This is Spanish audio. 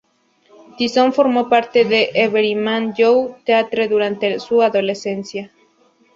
Tyson formó parte del Everyman Youth Theatre durante su adolescencia.